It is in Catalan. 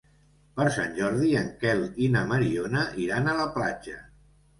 Per Sant Jordi en Quel i na Mariona iran a la platja.